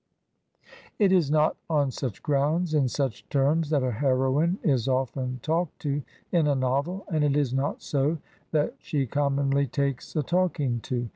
'' It is not on such grounds, in such terms, that a heroine is often talked to in a novel, and it is not so that she commonly takes a talking to.